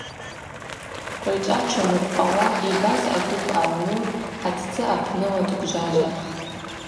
Квайчӏва тшимыркъвауа йбаз агвып ъагӏвну атдзы апныла дгвжважватӏ.